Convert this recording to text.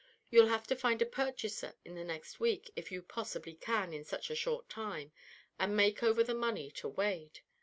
You'll have to find a purchaser in the next week if you possibly can in such a short time, and make over the money to Wade.